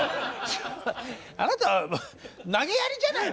あなた投げやりじゃないの？